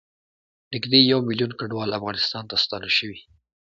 نږدې یوه میلیون کډوال افغانستان ته ستانه شوي